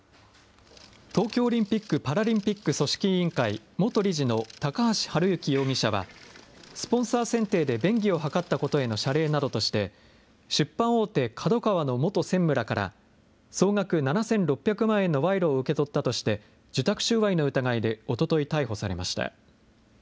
東京オリンピック・パラリンピック組織委員会元理事の高橋治之容疑者は、スポンサー選定で便宜を図ったことへの謝礼などとして、出版大手ＫＡＤＯＫＡＷＡの元専務らから、総額７６００万円の賄賂を受け取ったとして、受託収賄の疑いで、おととい逮捕されました。